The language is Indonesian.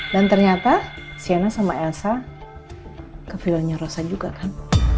dan ternyata sienna sama elsa ke vilanya rosa juga kan